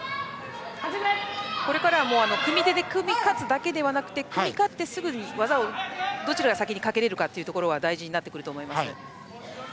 これからは組み手で組み勝つだけじゃなくて組み勝って、すぐに技をどちらが先にかけられるかが大事になってくると思います。